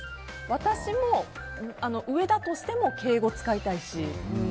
私も上だとしても敬語使いたいし。